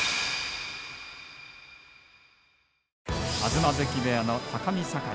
東関部屋の高見盛。